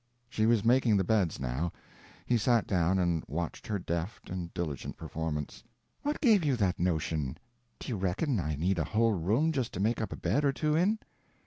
She was making the beds, now. He sat down and watched her deft and diligent performance. "What gave you that notion? Do you reckon I need a whole room just to make up a bed or two in?"